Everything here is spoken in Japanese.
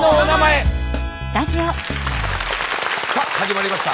さあ始まりました。